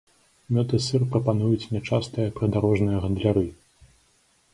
Мёд і сыр прапануюць нячастыя прыдарожныя гандляры.